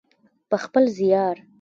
په خپل زیار.